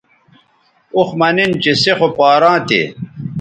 اوخ مہ نِن چہ سے خو پاراں تھے